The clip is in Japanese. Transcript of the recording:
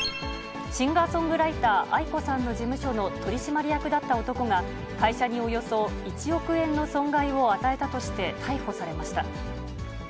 シンガーソングライター、ａｉｋｏさんの事務所の取締役だった男が、会社におよそ１億円の損害を与えたとして逮捕されました。